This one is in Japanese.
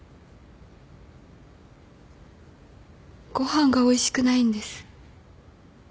ご飯がおいしくないんです。